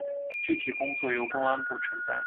具体工作由公安部承担。